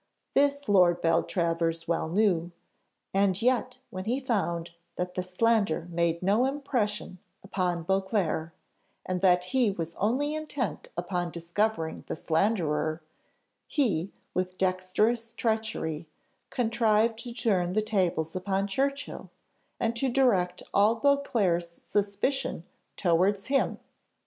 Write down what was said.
This Lord Beltravers well knew, and yet when he found that the slander made no impression upon Beauclerc, and that he was only intent upon discovering the slanderer, he, with dexterous treachery, contrived to turn the tables upon Churchill, and to direct all Beauclerc's suspicion towards him!